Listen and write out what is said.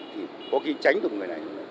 thì có khi tránh được người này